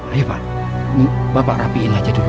ayo pak bapak rapiin aja dulu